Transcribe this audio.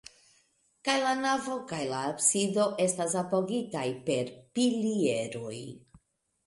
Kaj la navo kaj la absido estas apogitaj per pilieroj.